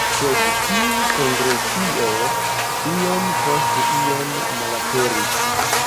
Sed tiu kongregacio iom post iom malaperis.